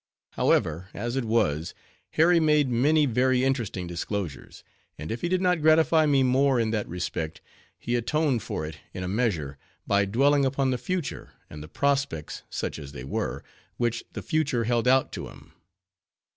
However, as it was, Harry made many very interesting disclosures; and if he did not gratify me more in that respect, he atoned for it in a measure, by dwelling upon the future, and the prospects, such as they were, which the future held out to him.